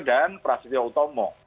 dan prasetya utomo